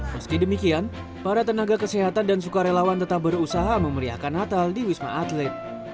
meski demikian para tenaga kesehatan dan sukarelawan tetap berusaha memeriahkan natal di wisma atlet